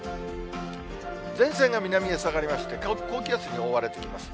前線が南へ下がりまして、高気圧に覆われてきます。